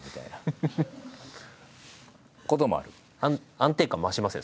安定感増しますね